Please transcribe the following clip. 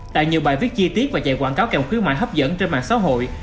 tại nhiều bài viết chi tiết và chạy quảng cáo kèm khuyến mại hấp dẫn trên mạng xã hội